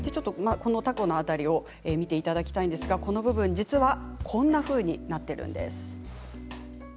タコの辺りを見ていただきたいんですが実はこんなふうになっているんです。